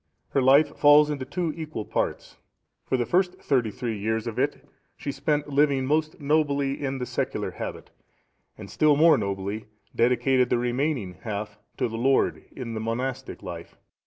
Her life falls into two equal parts, for the first thirty three years of it she spent living most nobly in the secular habit; and still more nobly dedicated the remaining half to the Lord in the monastic life.